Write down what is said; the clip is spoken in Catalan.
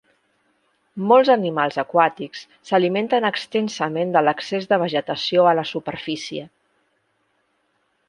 Molts animals aquàtics s'alimenten extensament de l'excés de vegetació a la superfície.